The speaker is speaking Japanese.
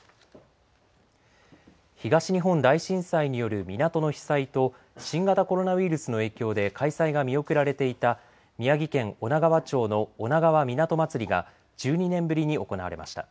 東日本大震災による港の被災と新型コロナウイルスの影響で開催が見送られていた宮城県女川町のおながわみなと祭りが１２年ぶりに行われました。